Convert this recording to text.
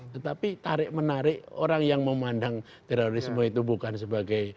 tetapi tarik menarik orang yang memandang terorisme itu bukan sebagai